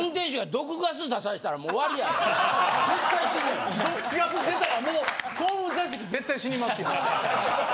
毒ガス出たらもう後部座席絶対死にますよ。